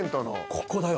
ここだよ。